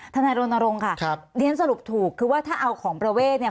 นายรณรงค์ค่ะเรียนสรุปถูกคือว่าถ้าเอาของประเวทเนี่ย